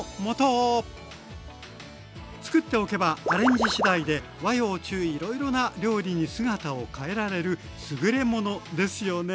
作っておけばアレンジしだいで和洋中いろいろな料理に姿を変えられる優れものですよね。